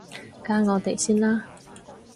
加我哋先啦